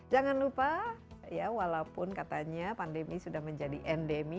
jangan lupa ya walaupun katanya pandemi sudah menjadi endemi